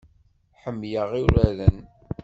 Ḥemmleɣ uraren.